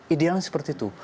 idealnya seperti itu